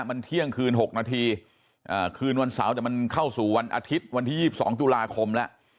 มันเที่ยงคืน๖นาทีคืนวันเสาร์แต่มันเข้าสู่วันอาทิตย์วันที่๒๒ตุลาคมแล้ว